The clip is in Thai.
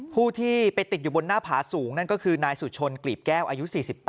ผู้ที่ไปติดอยู่บนหน้าผาสูงนั่นก็คือนายสุชนกลีบแก้วอายุ๔๘